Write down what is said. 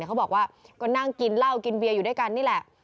เขาบอกว่าก็นั่งกินเหล้ากินเบียอยู่ด้วยกันนี่แหละ